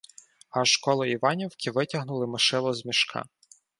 Аж коло Іванівки витягнули ми шило з мішка.